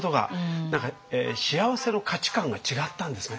何か幸せの価値観が違ったんですね。